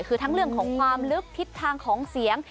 คือทั้งเรื่องของความลึกทิศทางของเสียง